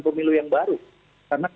pemilu yang baru karena